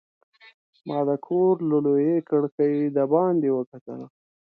ما د کور له لویې کړکۍ د باندې وکتل.